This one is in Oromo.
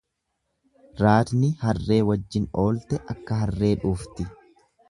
Raadni harree wajjin oolte akka harree dhuufti.